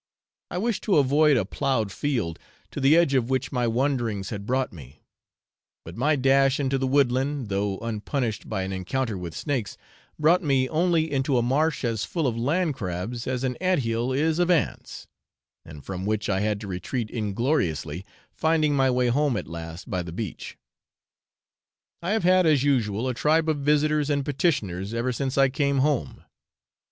I wished to avoid a ploughed field, to the edge of which my wanderings had brought me; but my dash into the woodland, though unpunished by an encounter with snakes, brought me only into a marsh as full of land crabs as an ant hill is of ants, and from which I had to retreat ingloriously, finding my way home at last by the beach. I have had, as usual, a tribe of visitors and petitioners ever since I came home.